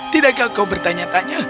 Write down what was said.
tidakkah kau bertanya tanya